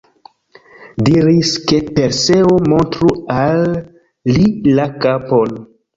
Diris, ke Perseo montru al li la kapon.